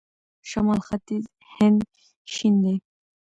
شمال ختیځ هند شین دی.